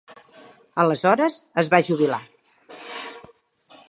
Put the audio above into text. Aleshores es va jubilar.